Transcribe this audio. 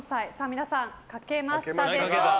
皆さん、書けましたでしょうか。